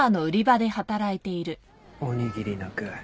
おにぎりの具。